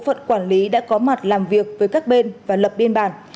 phận quản lý đã có mặt làm việc với các bên và lập biên bản